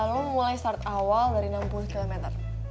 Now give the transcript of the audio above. lalu mulai start awal dari enam puluh kilometer